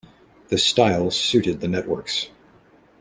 This style suited the networks.